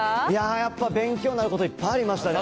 やっぱ勉強なること、いっぱいありましたね。